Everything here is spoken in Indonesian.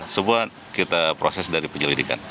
semua kita proses dari penyelidikan